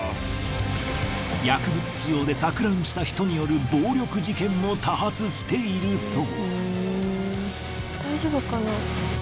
薬物使用で錯乱した人による暴力事件も多発しているそう。